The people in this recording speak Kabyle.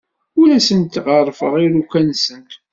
Ur asent-ɣerrfeɣ iruka-nsent.